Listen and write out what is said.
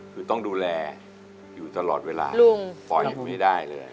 คือต้องดูแลอยู่ตลอดเวลาปล่อยไม่ได้เลย